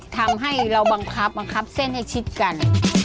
ทำให้เราบังคับบังคับเส้นให้ชิดกัน